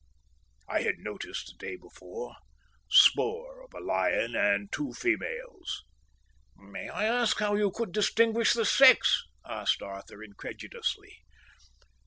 I had noticed, the day before, spoor of a lion and two females." "May I ask how you could distinguish the sex?" asked Arthur, incredulously.